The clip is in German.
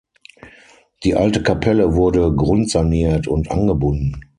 Die alte Kapelle wurde grundsaniert und angebunden.